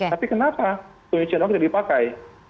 tapi kenapa tulisan uang tidak dipakai